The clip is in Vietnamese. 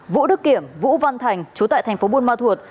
vũ đức kiểm vũ văn thành chú tại thành phố buôn ma thuột